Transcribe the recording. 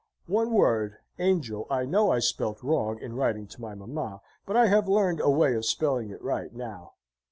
"One word 'Angel,' I know, I spelt wrong in writing to my mamma, but I have learned a way of spelling it right, now."